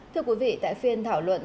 thưa quý vị tại phiên thảo luận